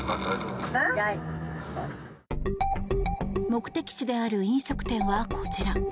目的地である飲食店はこちら。